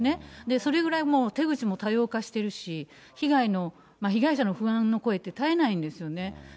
それぐらいもう、手口も多様化してるし、被害の、被害者の不安の声って絶えないんですよね。